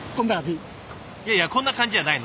いやいや「こんな感じ」じゃないの。